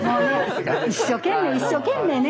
一生懸命一生懸命ね。